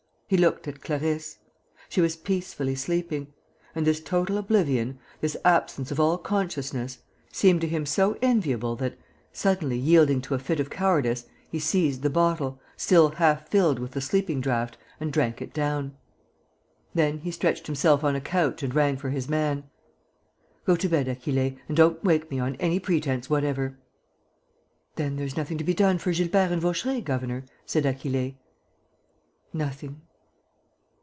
He looked at Clarisse. She was peacefully sleeping; and this total oblivion, this absence of all consciousness, seemed to him so enviable that, suddenly yielding to a fit of cowardice, he seized the bottle, still half filled with the sleeping draught, and drank it down. Then he stretched himself on a couch and rang for his man: "Go to bed, Achille, and don't wake me on any pretence whatever." "Then there's nothing to be done for Gilbert and Vaucheray, governor?" said Achille. "Nothing."